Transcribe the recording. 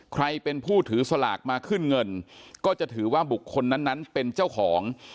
ใครเป็นผู้ถือสลากมาขึ้นเงินก็จะถือว่าบุคคลนั้นเป็นเจ้าของ